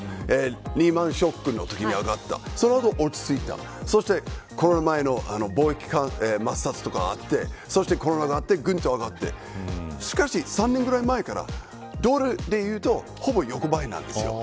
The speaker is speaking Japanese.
リーマンショックのときに上がった、その後落ち着いたそして、コロナ前の貿易摩擦とかあってそして、コロナがあってぐんと上がってしかし３年ぐらい前からドルで言うとほぼ横ばいなんですよ。